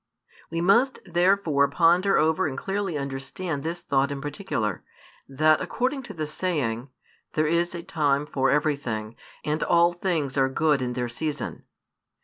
We must therefore ponder over and clearly understand this thought in particular, that according to the |441 saying, There is a time for everything, and all things are good in their season.